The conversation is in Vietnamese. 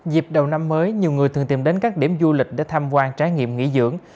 dịp đầu năm mới nhiều người thường tìm đến các điểm du lịch để tham quan trải nghiệm nghỉ dưỡng